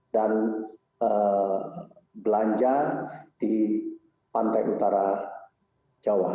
dan belanja di pantai utara jawa